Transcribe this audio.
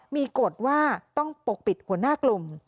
มีกฎว่าต้องปกปิดหัวหน้ากลุ่ม